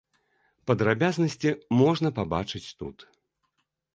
Падрабязнасці можна пабачыць тут.